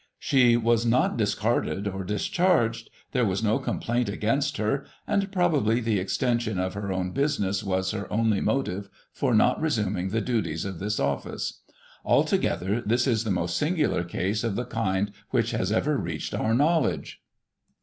She was not discarded or discharged ; there was no complaint against her ; and, probably, the extension of her own business was her only motive for not resimiing the duties of this office. Altogether, this is the most singular case of the kind which has ever reached our knowledge."